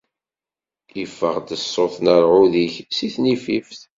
Iffeɣ-d ṣṣut n rrɛud-ik si tnifift.